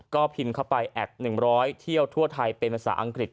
ก็พิมพ์เข้าไปแอด๑๐๐เที่ยวทั่วไทยเป็นภาษาอังกฤษ